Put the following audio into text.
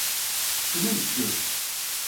Şunu istiyorum.